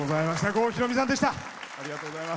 郷ひろみさんでした。